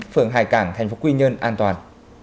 phường hải cảng thành phố quy nhơn an toàn